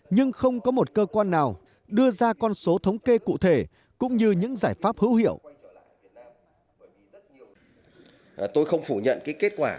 nhưng không có một cơ quan nào đưa ra con số thống kê cụ thể